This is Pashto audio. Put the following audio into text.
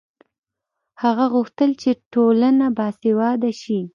هغه غوښتل چې ټولنه باسواده شي.